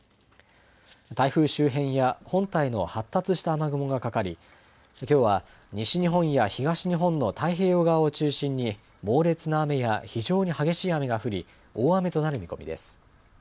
台風周辺や本体の発達した雨雲がかかり、きょうは西日本や東日本の太平洋側を中心に猛烈な雨や非常に激しい雨が降り、大雨となる見込みです。